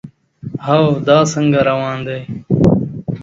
هو، دا څنګه روان دی؟